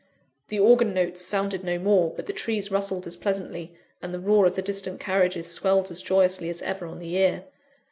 The organ notes sounded no more; but the trees rustled as pleasantly, and the roar of the distant carriages swelled as joyously as ever on the ear.